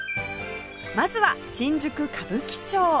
まずは新宿歌舞伎町